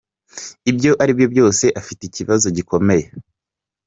Ibyo aribyo byose afite ikibazo gikomeye.